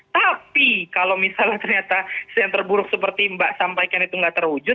tapi kalau misalnya ternyata yang terburuk seperti mbak sampaikan itu nggak terwujud